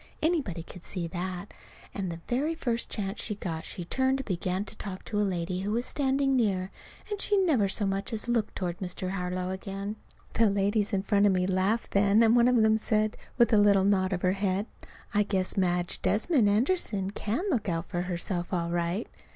Anybody could see that. And the very first chance she got she turned and began to talk to a lady who was standing near. And she never so much as looked toward Mr. Harlow again. The ladies in front of me laughed then, and one of them said, with a little nod of her head, "I guess Madge Desmond Anderson can look out for herself all right."